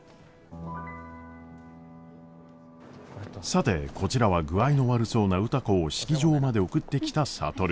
さてこちらは具合の悪そうな歌子を式場まで送ってきた智。